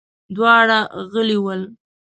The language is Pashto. دواړه غلي ول.